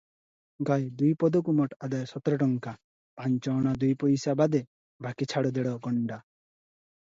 ଗାଏ ଦୁଇ ପଦକୁ ମୋଟ ଆଦାୟ ସତରଟଙ୍କା ପାଞ୍ଚ ଅଣା ଦୁଇପଇସା ବାଦେ ବାକି ଛାଡ଼ ଦେଢ଼ ଗଣ୍ଡା